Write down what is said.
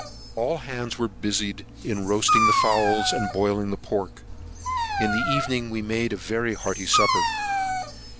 All hands were busied in roasting the fowls, and boiling the pork; in the evening we made a very hearty supper.